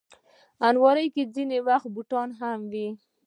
الماري کې ځینې وخت بوټي هم وي